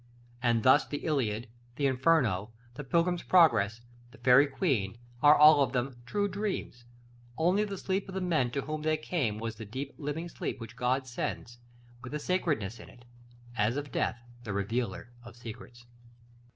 And thus the "Iliad," the "Inferno," the "Pilgrim's Progress," the "Faërie Queen," are all of them true dreams; only the sleep of the men to whom they came was the deep, living sleep which God sends, with a sacredness in it, as of death, the revealer of secrets.